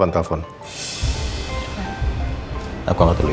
nah aku amat dah tapped